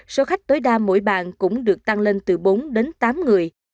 số khách tối đa mỗi bàn cũng được tăng lên từ bốn đến tám người